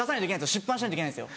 出版しないといけないんですよ。